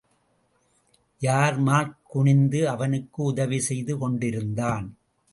யார்மார்க் குனிந்து அவனுக்கு உதவி செய்து கொண்டிருந்தான்.